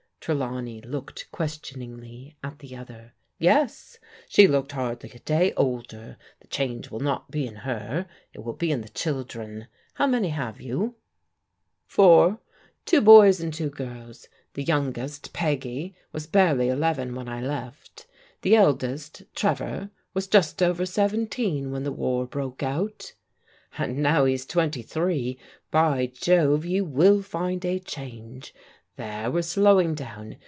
Trelawney looked questioningly at the other. " Yes. She looked scarcely a day older. The change win not be in her. It will be in the children. Honv iivmkj have you ?" IQ PRODIGAL DAUGHTERS "Four. Two boys and two girls. The youngest, Peggyj was barely eleven when I left. The eldest, Trevor, was just over seventeen when the war broke out" "And now he's twenty three. By Jove, you will find a change. There, we're slowing down.